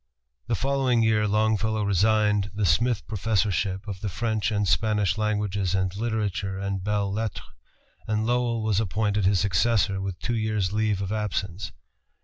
The following year Longfellow resigned the Smith Professorship of the French and Spanish Languages and Literature and Belles Lettres, and Lowell was appointed his successor with two years' leave of absence.